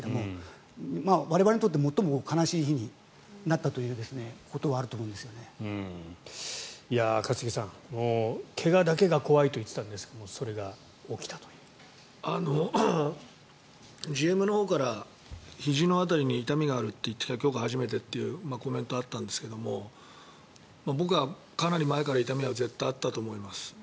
それは日本もそうなんですが我々にとって最も悲しい日になったということはあると一茂さん怪我だけが怖いと言っていたんですがＧＭのほうからひじの辺りに痛みがあるというのは今日が初めてというコメントがあったんですが僕はかなり前から痛みは絶対あったと思います。